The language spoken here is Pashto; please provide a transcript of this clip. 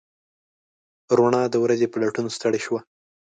روڼا د ورځو په لټون ستړې شوه